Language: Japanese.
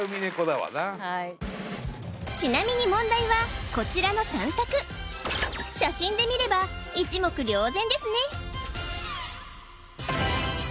わなちなみに問題はこちらの３択写真で見れば一目瞭然ですね